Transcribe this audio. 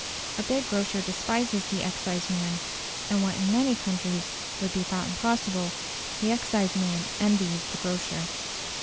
A big grocer despises the exciseman; and what in many countries would be thought impossible, the exciseman envies the grocer.